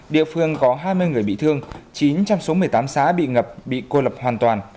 địa phương có hai mươi người bị thương chín trong số một mươi tám xã bị ngập bị cô lập hoàn toàn